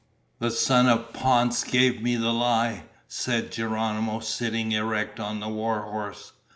"The son of Ponce gave me the lie!" said Geronimo, sitting erect on the war horse.